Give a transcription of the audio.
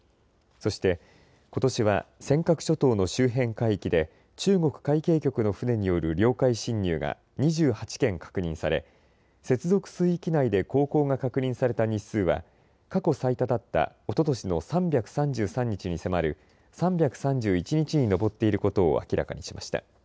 そしてことしは尖閣諸島の周辺海域で中国海警局の船による領海侵入が２８件確認され接続水域内で航行が確認された日数は過去最多だったおととしの３３３日に迫る３３１日に上っていることを明らかにしました。